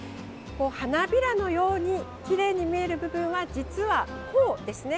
花びらのようにきれいに見える部分は実は、ホウですね。